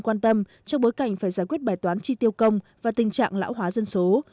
quan tâm trong bối cảnh phải giải quyết bài toán chi tiêu công và tình trạng lão hóa dân số